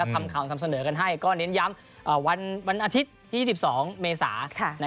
ทำข่าวทำเสนอกันให้ก็เน้นย้ำวันอาทิตย์ที่๒๒เมษา